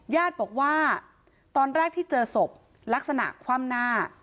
ญาติบอกว่าตอนแรกที่เจอศพลักษณะคว่ำหน้า